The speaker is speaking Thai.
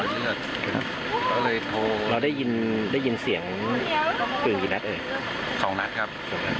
เราก็เลยโทร๑๖ครับ